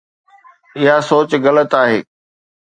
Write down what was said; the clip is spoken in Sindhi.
اها سوچ غلط آهي.